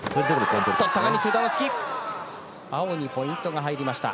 中段の突き、青にポイントが入りました。